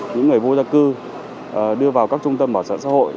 những người vô gia cư đưa vào các trung tâm bảo trợ xã hội